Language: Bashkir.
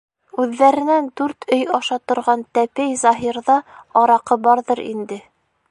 Үҙҙәренән дүрт өй аша торған Тәпей Заһирҙа араҡы барҙыр инде.